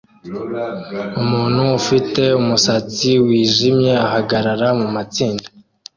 Umuntu ufite umusatsi wijimye ahagarara mumatsinda